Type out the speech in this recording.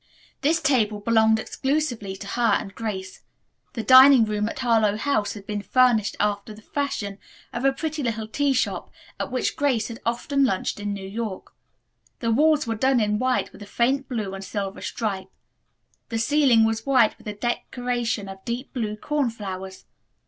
This table belonged exclusively to her and Grace. The dining room at Harlowe House had been furnished after the fashion of a pretty little tea shop at which Grace had often lunched in New York. The walls were done in white with a faint blue and silver stripe. The ceiling was white with a decoration of deep blue corn flowers.